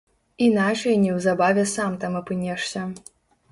Іначай неўзабаве сам там апынешся.